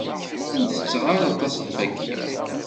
Ur tetteɣ ara aṭas lfakya.